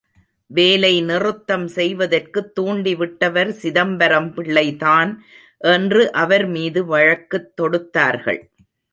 வேலை நிறுத்தம் செய்வதற்குத் தூண்டி விட்டவர் சிதம்பரம் பிள்ளைதான் என்று அவர் மீது வழக்குத் தொடுத்தார்கள்.